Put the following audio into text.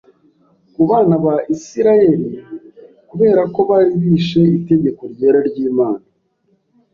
ku bana ba Isirayeri kubera ko bari bishe itegeko ryera ry’Imana.